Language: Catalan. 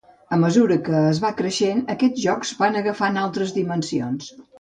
A mesura que es va creixent, aquests jocs van agafant altres dimensions.